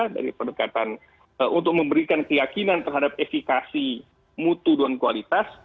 jadi perdekatan untuk memberikan keyakinan terhadap efikasi mutu dan kualitas